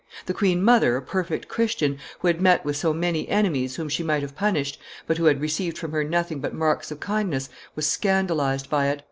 The queen mother, a perfect Christian, who had met with so many enemies whom she might have punished, but who had received from her nothing but marks of kindness, was scandalized by it.